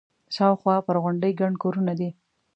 شاوخوا پر غونډۍ ګڼ کورونه دي.